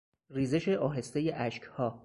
ریزش آهستهی اشکها